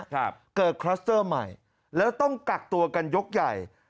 เกิดคลัสเตอร์ใหม่แล้วต้องกักตัวกันยกใหญ่